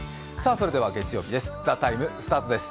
それでは月曜日です。